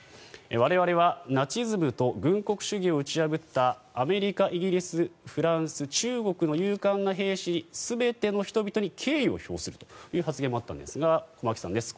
我々はナチズムと軍国主義を打ち破ったアメリカ、イギリス、フランス中国の勇敢な兵士、全ての人々に敬意を表するという発言もあったんですが駒木さんです。